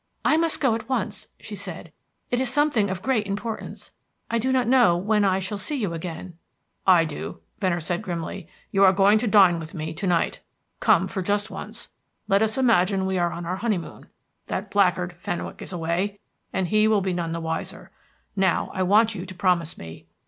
"I must go at once," she said. "It is something of great importance. I don't know when I shall see you again " "I do," Venner said grimly. "You are going to dine with me to night. Come just for once; let us imagine we are on our honeymoon. That blackguard Fenwick is away, and he will be none the wiser. Now, I want you to promise me."